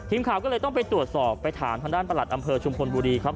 ทีมข่าวก็เลยต้องไปตรวจสอบไปถามทางด้านประหลัดอำเภอชุมพลบุรีครับ